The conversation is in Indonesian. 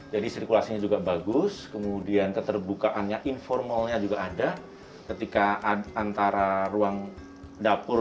jadi sirkulasinya juga bagus kemudian keterbukaannya informalnya juga ada ketika antara ruang dapur